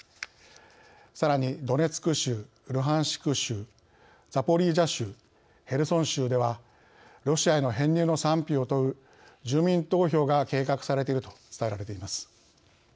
さらにドネツク州、ルハンシク州ザポリージャ州、ヘルソン州ではロシアへの編入の賛否を問う住民投票が計画されていると伝えられています。